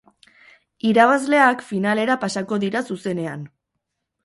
Irabazleak finalera pasako dira zuzenean.